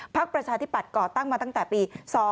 ภักดิ์ประชาธิปัตย์ก่อตั้งมาตั้งแต่ปี๒๔๘๙